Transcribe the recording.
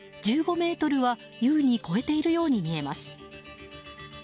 １５ｍは優に超えているように見えます。